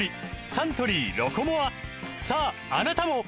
サントリー「ロコモア」さああなたも！